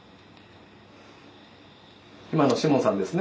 今のシモンさんですね？